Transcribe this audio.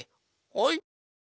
はい。